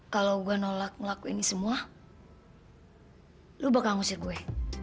kalau gue nolak ngelaku ini semua lo bakal ngusir gue